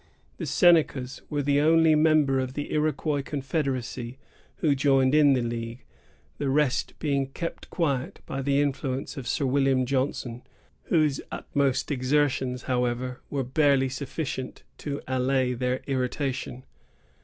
The Senecas were the only members of the Iroquois confederacy who joined in the league, the rest being kept quiet by the influence of Sir William Johnson, whose utmost exertions, however, were barely sufficient to allay their irritation.